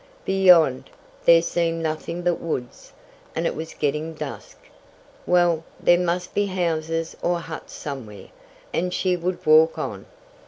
Beyond, there seemed nothing but woods, and it was getting dusk. Well, there must be houses or huts somewhere, and she would walk on.